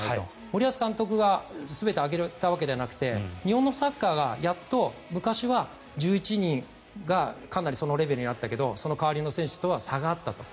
森保監督が全て上げたわけではなくて日本のサッカーがやっと昔は１１人がかなりそのレベルになったけどその代わりの選手とは差があったと。